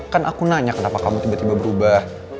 kan aku nanya kenapa kamu tiba tiba berubah